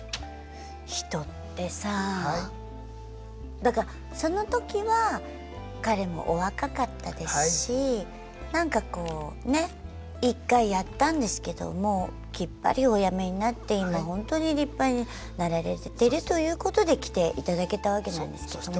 だからその時は彼もお若かったですしなんかこうね１回やったんですけどもきっぱりおやめになって今ほんとに立派になられてるということで来ていただけたわけなんですけども。